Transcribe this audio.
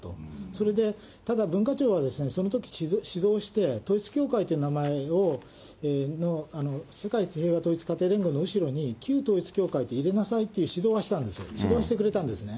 それでただ文化庁はそのとき、指導して統一教会という名前の、世界平和統一家庭連合という後ろに旧統一教会って入れなさいっていう指導はしたんですよ、指導してくれたんですね。